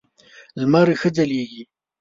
لمر ښه ځلېږي .